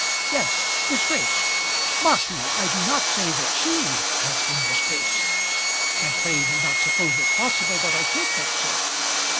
"Yes; disgraced. Mark you; I do not say that she has been disgraced; and pray do not suppose it possible that I should think so.